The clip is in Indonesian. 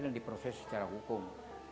dan diproses secara wajib